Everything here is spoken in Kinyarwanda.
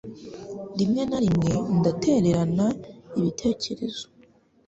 Rimwe na rimwe ndatererana ibitekerezo